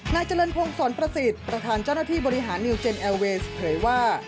นายเจริญพงศรประสิทธิ์ประธานเจ้าหน้าที่บริหารนิวเจนแอลเวสเผยว่า